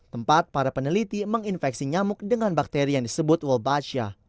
tempat para peneliti menginfeksi nyamuk dengan bakteri yang disebut wollbachia